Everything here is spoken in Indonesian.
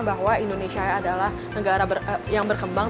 bahwa indonesia adalah negara yang berkembang